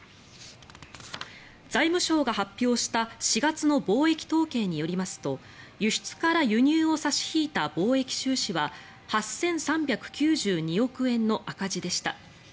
財務省が発表した４月の貿易統計によりますと輸出から輸入を差し引いた貿易収支は８３９２億円の赤字でした。